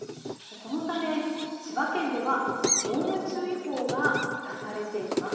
このため、千葉県では濃霧注意報が出されています。